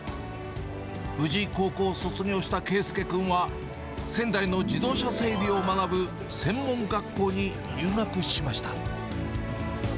無事、高校を卒業した佳祐君は、仙台の自動車整備を学ぶ専門学校に入学しました。